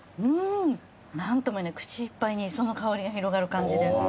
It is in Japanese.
うん！何ともいえない口いっぱいに磯の香りが広がる感じで。